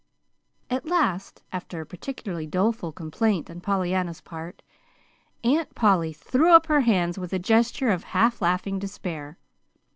At last, after a particularly doleful complaint on Pollyanna's part, Aunt Polly threw up her hands with a gesture of half laughing despair.